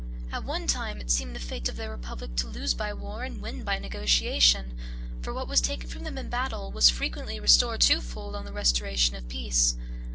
At one time it seemed the fate of their republic to lose by war and win by negotiation; for what was taken from them in battle was frequently restored twofold on the restoration of peace.